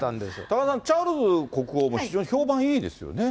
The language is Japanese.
多賀さん、チャールズ国王も非常に評判いいですよね。